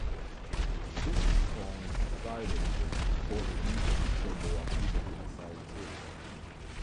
This coincided with reported intense rebel activity inside Syria.